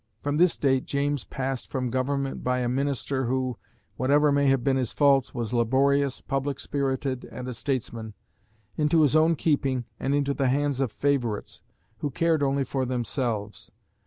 From this date James passed from government by a minister, who, whatever may have been his faults, was laborious, public spirited, and a statesman, into his own keeping and into the hands of favourites, who cared only for themselves.